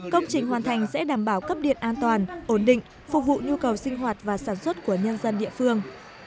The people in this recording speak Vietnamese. công trình hoàn thành sẽ đảm bảo cấp điện an toàn ổn định phục vụ nhu cầu sinh hoạt và sản xuất của nhân dân địa phương